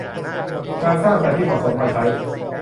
การสร้างสรรค์ที่เหมาะสมมาใช้